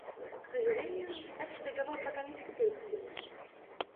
К сожалению, этот Договор пока не вступил в силу.